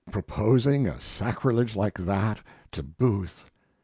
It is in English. Proposing a sacrilege like that to Booth!